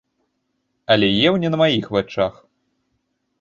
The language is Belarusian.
Але еў не на маіх вачах.